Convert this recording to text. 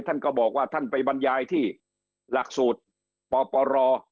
ท่านก็บอกว่าท่านไปบรรยายที่หลักสูตรปปร